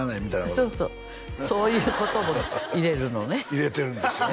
そうそうそういうことも入れるのね入れてるんですよね